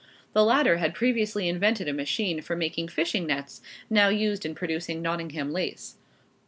The latter had previously invented a machine for making fishing nets, now used in producing Nottingham lace.